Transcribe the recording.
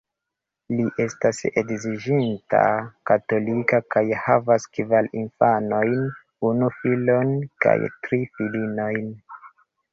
Li estas edziĝinta, katolika kaj havas kvar infanojn, unu filon kaj tri filinojn.